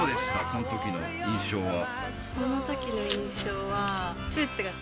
そのときの印象は。